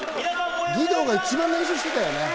義堂が一番練習してたよね。